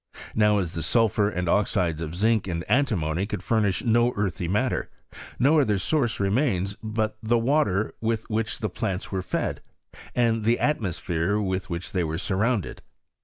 Now as the sulphur and oxides of zinc and antimony could furnish no earthy matter, no other source remains but the water with which the plants were fed, and the atmosphere with which they were surrounded.